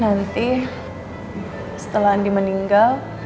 nanti setelah andi meninggal